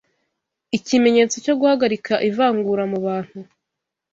ikimenyetso cyo guhagarika ivangura mubantu